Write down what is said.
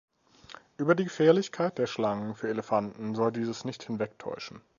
Über die Gefährlichkeit der Schlangen für Elefanten soll dieses nicht hinwegtäuschen.